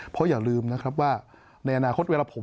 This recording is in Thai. เพราะอย่าลืมนะครับว่าในอนาคตเวลาผม